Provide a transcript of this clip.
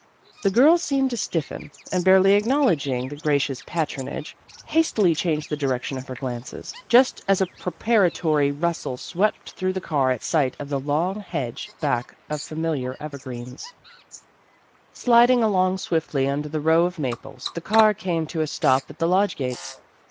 The girl seemed to stiffen, and, barely acknowledging the gracious patron age, hastily changed the direction of her glances, just as a preparatory rustle swept through the car at sight of the long hedge backed by familiar evergreens. 178 Vassar Studies Sliding along swiftly under the row of maples, the car came to a stop at the Lodge gates.